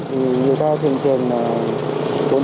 thì người ta thường thường